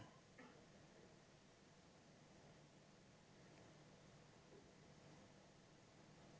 dan kalau ada proses penegakan hukum